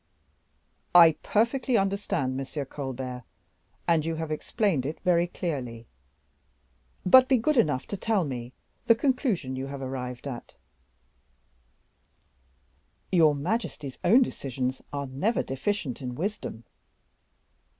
"I perfectly understand, M. Colbert, and you have explained it very clearly; but be good enough to tell me the conclusion you have arrived at." "Your majesty's own decisions are never deficient in wisdom."